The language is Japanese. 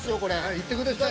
◆いってください。